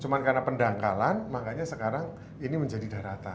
cuma karena pendangkalan makanya sekarang ini menjadi daratan